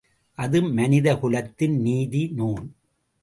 அது மனித குலத்தின் நீதி நூல்.